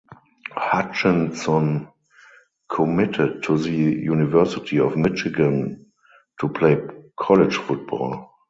Hutchinson committed to the University of Michigan to play college football.